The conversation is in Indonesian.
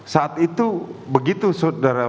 saat itu begitu saudara